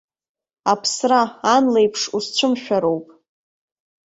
Аԥсра, ан леиԥш, усцәымшәароуп.